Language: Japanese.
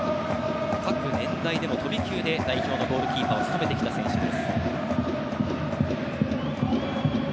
各年代でも飛び級で代表のゴールキーパーを務めてきた選手です。